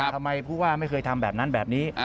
ผู้ว่าไม่เคยทำแบบนั้นแบบนี้